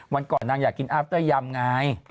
วันก่อนนางอยากกินอาฟเตอร์ยำไง